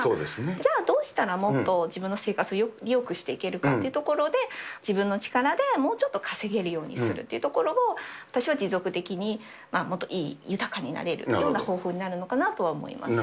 じゃあ、どうしたらもっと自分の生活よくしていけるかというところで、自分の力でもうちょっと稼げるようにするっていうところを、私は持続的にもっと豊かになれる方法になるのかなとは思います。